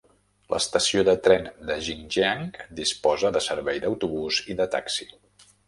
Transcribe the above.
L'estació de tren de Jinjiang disposa de servei d'autobús i de taxi.